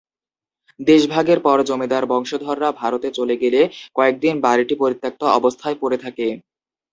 দেশ ভাগের পর জমিদার বংশধররা ভারতে চলে গেলে কয়েকদিন বাড়িটি পরিত্যক্ত অবস্থায় পড়ে থাকে।